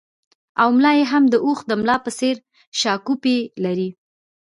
او ملا یې هم د اوښ د ملا په څېر شاکوپي لري